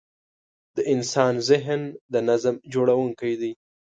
د انسان ذهن د نظم جوړوونکی دی.